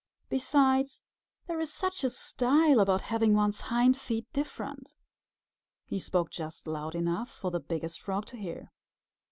Besides, there is such a style about having one's hind feet different." He spoke just loud enough for the Biggest Frog to hear.